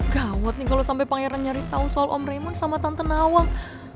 gawat nih kalo sampe pangeran nyari tau soal om raymond sama tante nawang